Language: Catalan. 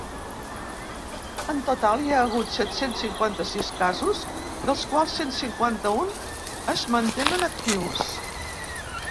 En total, hi ha hagut set-cents cinquanta-sis casos, dels quals cent cinquanta-un es mantenen actius.